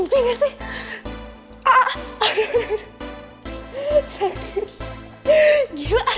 satu misi sedang dijangankan